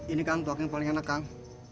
ini kak tuak yang paling enak kak